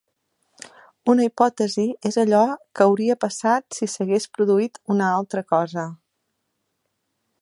Una hipòtesi és allò que hauria passat si s'hagués produït una altra cosa.